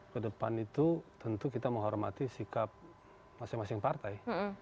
kedepan itu tentu kita menghormati sikap masing masing partai